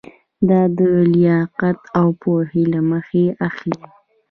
دا د لیاقت او پوهې له مخې اخلي.